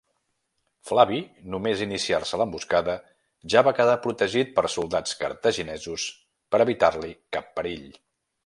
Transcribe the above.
Flavi, només iniciar-se l'emboscada, ja va quedar protegit per soldats cartaginesos per evitar-li cap perill.